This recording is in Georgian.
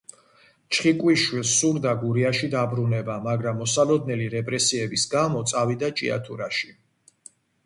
ჩხიკვიშვილს სურდა გურიაში დაბრუნება, მაგრამ მოსალოდნელი რეპრესიების გამო წავიდა ჭიათურაში.